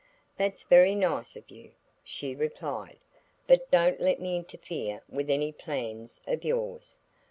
"That's very nice of you," she replied, "but don't let me interfere with any plans of yours.